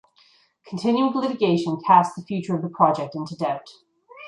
Continuing litigation cast the future of the project into doubt.